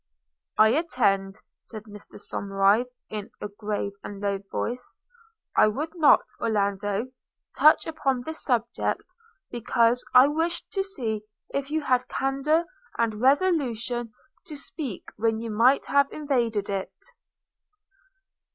'I attend,' said Mr Somerive in a grave and low voice: 'I would not, Orlando, touch upon this subject, because I wished to see if you had candour and resolution to speak when you might have evaded it.'